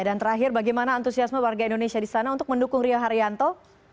terakhir bagaimana antusiasme warga indonesia di sana untuk mendukung rio haryanto